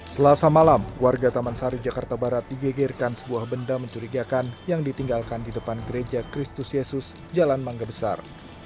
selasa malam warga taman sari jakarta barat digegerkan sebuah benda mencurigakan yang ditinggalkan di depan gereja kristus yesus jalan mangga besar